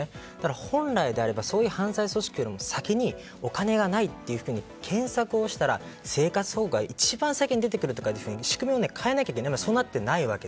本来であればそういう犯罪組織より先にお金がないというふうに検索をしたら生活保護が一番先に出てくるという仕組みを変えないとケアできない。